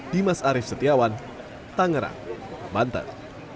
dimas arief setiawan tangerang banten